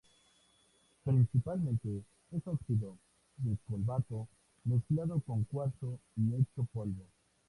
Principalmente es óxido de cobalto mezclado con cuarzo y hecho polvo.